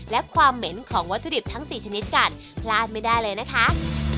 และความเหม็นของวัตถุดิบทั้ง๔ชนิดกันพลาดไม่ได้เลยนะคะ